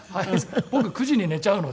僕９時に寝ちゃうので。